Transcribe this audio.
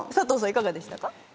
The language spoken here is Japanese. いかがでしたか？